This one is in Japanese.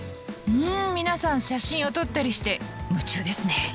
皆さん写真を撮ったりして夢中ですね。